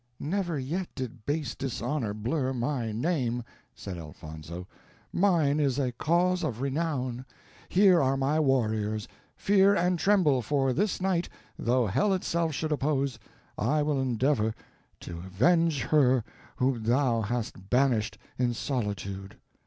"Never yet did base dishonor blur my name," said Elfonzo; "mine is a cause of renown; here are my warriors; fear and tremble, for this night, though hell itself should oppose, I will endeavor to avenge her whom thou hast banished in solitude.